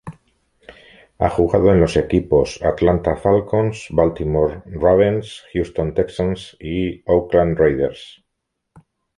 Ha jugado en los equipos Atlanta Falcons, Baltimore Ravens, Houston Texans y Oakland Raiders.